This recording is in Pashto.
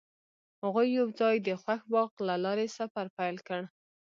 هغوی یوځای د خوښ باغ له لارې سفر پیل کړ.